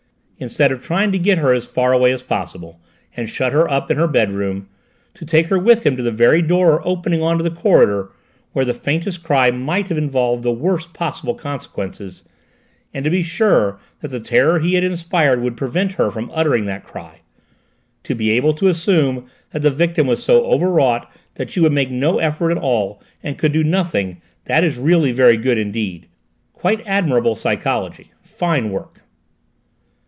Instead of trying to get her as far away as possible and shut her up in her bedroom, to take her with him to the very door opening on to the corridor, where the faintest cry might have involved the worst possible consequences, and to be sure that the terror he had inspired would prevent her from uttering that cry, to be able to assume that the victim was so overwrought that she would make no effort at all and could do nothing that is really very good indeed: quite admirable psychology! Fine work!"